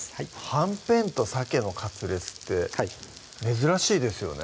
「はんぺんとサケのカツレツ」って珍しいですよね